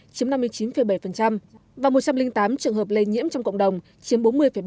chiếm năm mươi chín bảy và một trăm linh tám trường hợp lây nhiễm trong cộng đồng chiếm bốn mươi ba